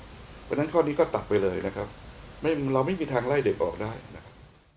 เพราะฉะนั้นข้อนี้ก็ตัดไปเลยนะครับเราไม่มีทางไล่เด็กออกได้นะครับ